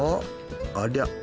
ありゃ。